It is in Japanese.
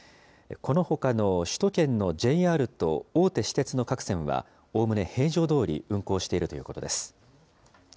このほかの首都圏のＪＲと大手私鉄の各線はおおむね平常どおり運行しているということです。